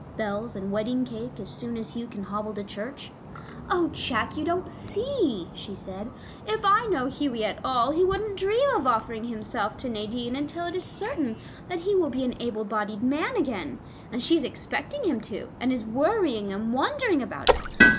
Bells and wedding cake as soon as Hugh can hobble to church." "Oh, Jack, you don't see," she said. "If I know Hughie at all, he wouldn't dream of offering himself to Nadine until it is certain that he will be an able bodied man again. And she is expecting him to, and is worrying and wondering about it.